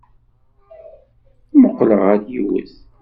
Mmuqqleɣ ɣer yiwet.